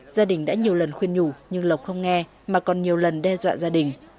gia đình đã nhiều lần khuyên nhủ nhưng lộc không nghe mà còn nhiều lần đe dọa gia đình